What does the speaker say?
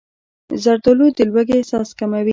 زردالو د لوږې احساس کموي.